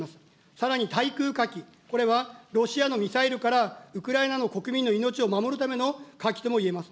さらに対空火器、これはロシアのミサイルからウクライナの国民の命を守るための火器ともいえます。